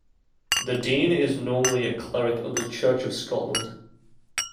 The Dean is normally a cleric of the Church of Scotland.